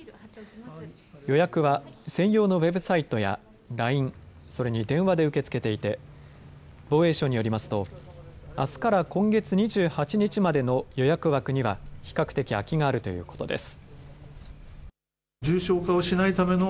予約は専用のウェブサイトやＬＩＮＥ、それに電話で受け付けていて防衛省によりますとあすから今月２８日までの予約枠には比較的空きがあるということです。